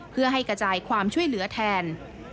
เพื่อให้กระจายความช่วยเหลือแทน